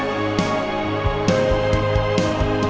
di bagian bawah